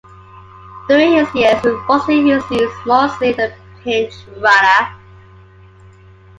During his years with Boston he was used mostly as a pinch- runner.